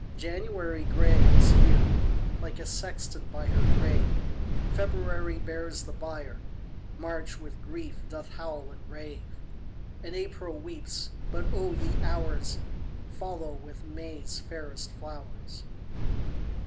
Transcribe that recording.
4. January gray is here, Like a sexton by her grave; _20 February bears the bier, March with grief doth howl and rave, And April weeps but, O ye Hours! Follow with May's fairest flowers.